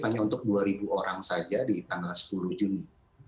hanya untuk dua ribu orang saja di tanggal sepuluh juni dua ribu dua puluh satu